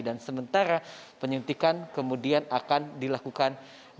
dan sementara penyuntikan kemudian akan dilakukan di salah satu ruangan